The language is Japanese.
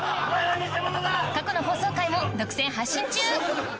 過去の放送回も独占配信中！